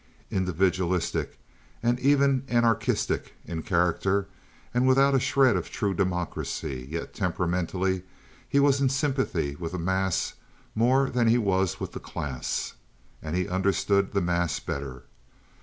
Individualistic and even anarchistic in character, and without a shred of true democracy, yet temperamentally he was in sympathy with the mass more than he was with the class, and he understood the mass better.